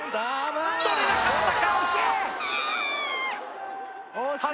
取れなかったかああ！